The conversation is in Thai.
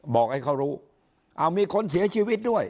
บอกให้เขารู้มีคนเสียชีวิตด้วย